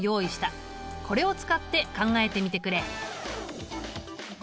これを使って考えてみてくれ。